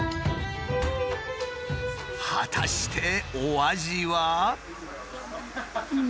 果たしてお味は。